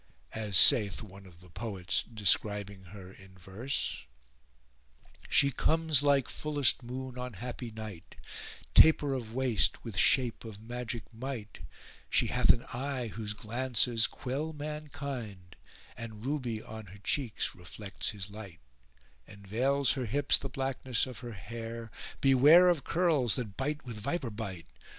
As saith one of the poets describing her in verse:— She comes like fullest moon on happy night; * Taper of waist, with shape of magic might: She hath an eye whose glances quell mankind, * And Ruby on her cheeks reflects his light: Enveils her hips the blackness of her hair; *Beware of curls that bite with viper bite!